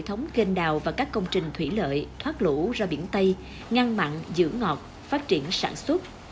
hệ thống kênh đào và các công trình thủy lợi thoát lũ ra biển tây ngăn mặn giữ ngọt phát triển sản xuất